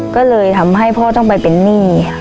ก็เลยทำให้พ่อต้องไปเป็นหนี้ค่ะ